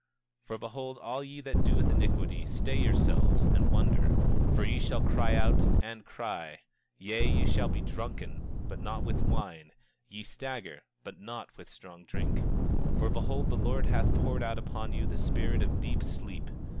27:4 For behold, all ye that doeth iniquity, stay yourselves and wonder, for ye shall cry out, and cry; yea, ye shall be drunken but not with wine, ye shall stagger but not with strong drink. 27:5 For behold, the Lord hath poured out upon you the spirit of deep sleep.